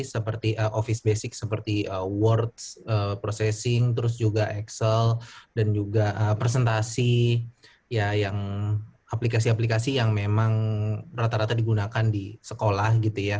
seperti office basic seperti world processing terus juga excel dan juga presentasi aplikasi aplikasi yang memang rata rata digunakan di sekolah gitu ya